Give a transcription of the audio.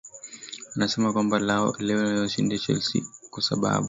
anasema kwamba leo lazima washinde chelsea kwa sababu